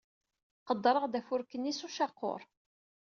Qeddreɣ-d afurk-nni s ucaqur.